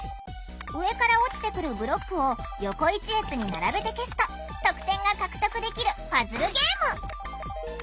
上から落ちてくるブロックを横１列に並べて消すと得点が獲得できるパズルゲーム。